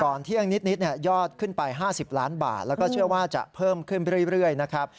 เที่ยงนิดยอดขึ้นไป๕๐ล้านบาทแล้วก็เชื่อว่าจะเพิ่มขึ้นไปเรื่อยนะครับ